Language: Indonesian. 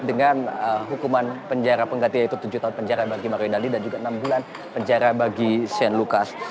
dengan hukuman penjara pengganti yaitu tujuh tahun penjara bagi mario dandi dan juga enam bulan penjara bagi shane lucas